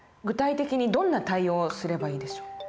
具体的にどんな対応をすればいいでしょう？